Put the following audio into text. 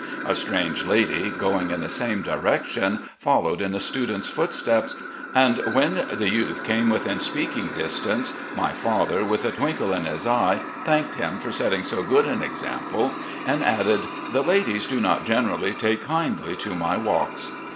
A strange lady, going in the same direction, followed in the student's footsteps, and when the youth came •within speaking distance, my father, •with a twinkle in his eye, thanked him for setting so good an example, and added, " The ladies do not generally take kindly to my walks."